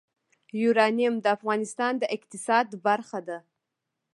یورانیم د افغانستان د اقتصاد برخه ده.